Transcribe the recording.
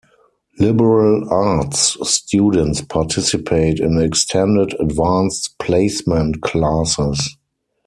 Liberal Arts students participate in extended Advanced Placement classes.